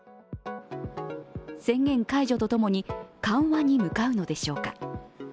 宣言解除とともに緩和に向かうのでしょうか。